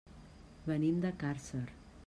Venim de Càrcer.